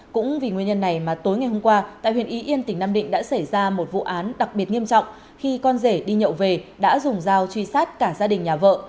cũng vì nguyên nhân này mà tối ngày hôm qua tại huyện y yên tỉnh nam định đã xảy ra một vụ án đặc biệt nghiêm trọng khi con rể đi nhậu về đã dùng dao truy sát cả gia đình nhà vợ